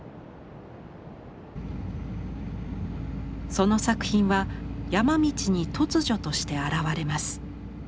その作品は山道に突如として現れます。